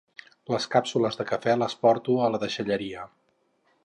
Les càpsules de cafè les porto a la deixalleria